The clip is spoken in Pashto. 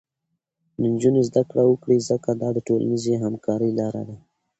نجونې زده کړه وکړي، ځکه دا د ټولنیزې همکارۍ لاره ده.